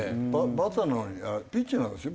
バッターのほうにピッチャーなんですよ